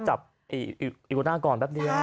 จับอีโกน่าก่อนแป๊บเดียว